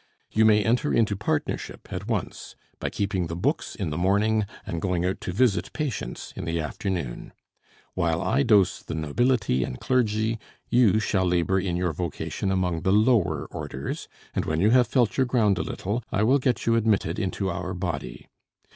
You may enter into partnership at once, by keeping the books in the morning and going out to visit patients in the afternoon. While I dose the nobility and clergy, you shall labor in your vocation among the lower orders; and when you have felt your ground a little, I will get you admitted into our body.